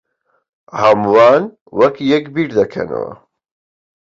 ھەمووان وەک یەک بیردەکەنەوە.